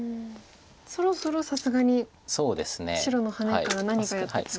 そろそろさすがに白のハネから何かやって。